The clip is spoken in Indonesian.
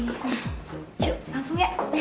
yuk langsung ya